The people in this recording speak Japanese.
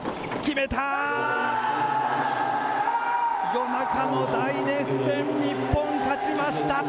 夜中の大熱戦、日本勝ちました。